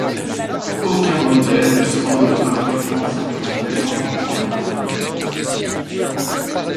Aucun modèle ne semble parfaitement satisfaisant jusqu'à maintenant.